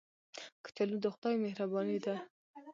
کچالو د خدای مهرباني ده